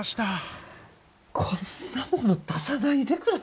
こんなもの出さないでくれ。